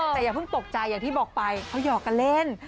แต่อย่าเพิ่งตกใจอย่างที่บอกไปเขาหยอกกันเล่น